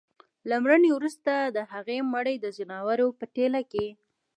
له مړيني وروسته د هغه مړى د ځناورو په ټېله کي